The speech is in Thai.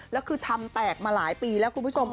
แล้วคือทำแตกมาหลายปีแล้วคุณผู้ชม